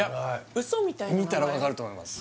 ウソみたいな名前見たら分かると思います